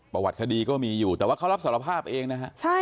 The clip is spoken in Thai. ประวัติคดีก็มีอยู่แต่ว่าเขารับสารภาพเองนะฮะ